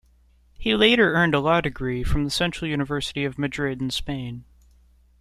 He later earned a law degree from the Central University of Madrid in Spain.